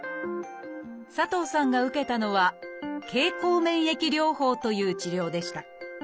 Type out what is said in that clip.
佐藤さんが受けたのは「経口免疫療法」という治療でした。